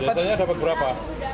biasanya dapat berapa